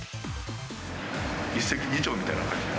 一石二鳥みたいな感じ。